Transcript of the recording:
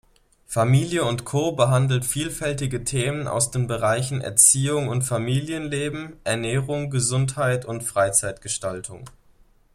Familie&Co behandelt vielfältige Themen aus den Bereichen Erziehung und Familienleben, Ernährung, Gesundheit und Freizeitgestaltung.